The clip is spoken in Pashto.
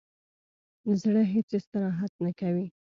زړه هیڅ استراحت نه کوي.